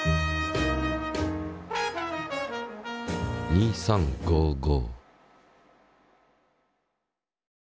「２３５５」。